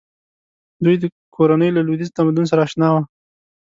دوی کورنۍ له لویدیځ تمدن سره اشنا وه.